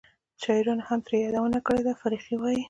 شاعرانو هم ترې یادونه کړې ده. فرخي وایي: